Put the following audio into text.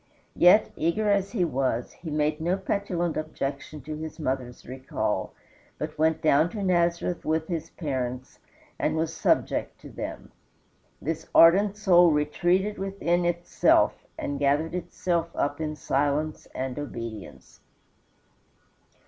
Yet, eager as he was, he made no petulant objection to his mother's recall, but went down to Nazareth with his parents and was subject to them. This ardent soul retreated within itself, and gathered itself up in silence and obedience.